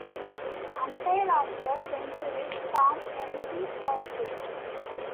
Umpire of the Century: Tom McArthur.